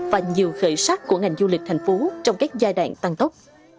và nhiều khởi sát của ngành du lịch tp hcm trong các giai đoạn tăng tốc